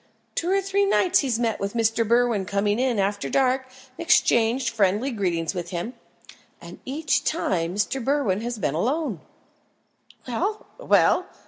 Two or three nights he's met Mr. Berwin coming in after dark and exchanged friendly greetings with him, and each time Mr. Berwin has been alone!" "Well! well!